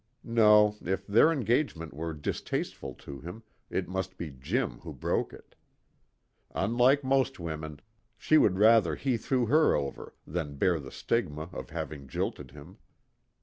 No, if their engagement were distasteful to him, it must be Jim who broke it. Unlike most women, she would rather he threw her over than bear the stigma of having jilted him.